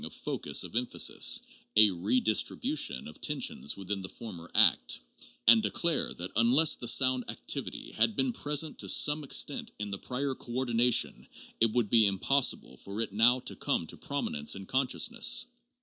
of focus of emphasis, a redistribution of tensions within the former act; and declare that unless the sound activity had been present to some extent in the prior coordination, it would be impossible for it now to come to prominence in conscious ness.